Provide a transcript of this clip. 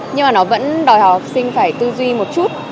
nhưng mà nó vẫn đòi hỏi học sinh phải tư duy một chút